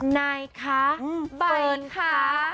นายคะใบเฟิร์นคะ